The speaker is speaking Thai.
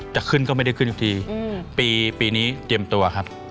จะขึ้นก็ไม่ได้ขึ้นอีกทีปีนี้เตรียมตัวครับ